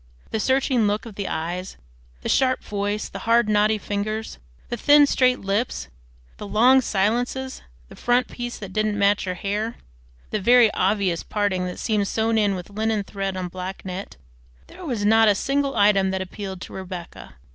The searching look of the eyes, the sharp voice, the hard knotty fingers, the thin straight lips, the long silences, the "front piece" that didn't match her hair, the very obvious "parting" that seemed sewed in with linen thread on black net, there was not a single item that appealed to Rebecca.